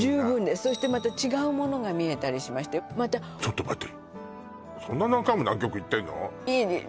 そしてまた違うものが見えたりしましてちょっと待ってそんな何回も南極行ってんの？